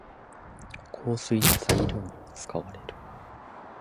香水の材料にも使われる。